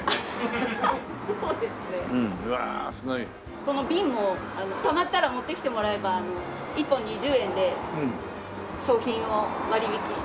この瓶もたまったら持ってきてもらえば１本２０円で商品を割引して。